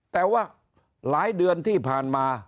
แต่ว่าหลายเดือนที่ผ่านมา